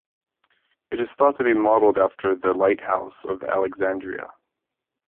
It is thought to be modeled after the Lighthouse of Alexandria.